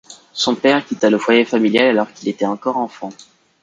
Son père quitta le foyer familial alors qu’il était encore enfant.